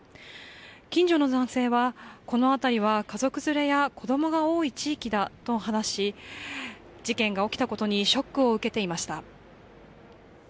近所の男性は、この辺りは家族連れや子供が多い地域だと話し、事件が起きたことにショックを受けていました。